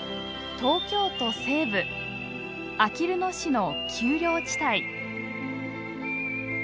東京都西部あきる野市の丘陵地帯。